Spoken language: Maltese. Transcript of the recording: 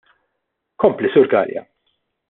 Kompli, Sur Galea.